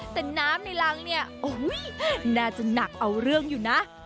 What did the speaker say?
แต่น้ำในรังเนี่ยน่าจะหนักเอาเรื่องอยู่นะ